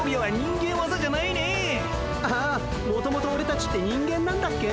ああもともとオレたちって人間なんだっけ？